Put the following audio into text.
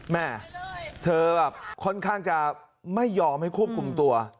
แม่เธอแบบค่อนข้างจะไม่ยอมให้ควบคุมตัว